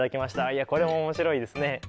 いやこれも面白いですね。